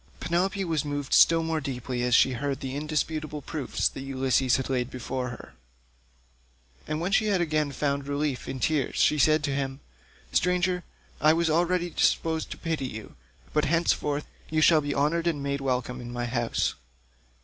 Penelope was moved still more deeply as she heard the indisputable proofs that Ulysses laid before her; and when she had again found relief in tears she said to him, "Stranger, I was already disposed to pity you, but henceforth you shall be honoured and made welcome in my house.